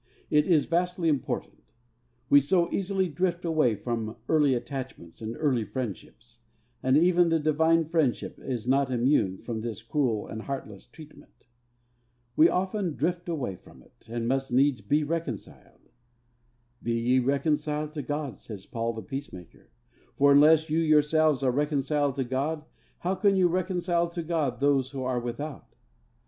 It is vastly important. We so easily drift away from early attachments and early friendships; and even the divine friendship is not immune from this cruel and heartless treatment. We drift away from it, and must needs be reconciled. 'Be ye reconciled to God,' says Paul the Peacemaker 'for unless you yourselves are reconciled to God, how can you reconcile to God those who are without?'